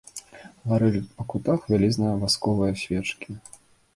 Гарэлі па кутах вялізныя васковыя свечкі.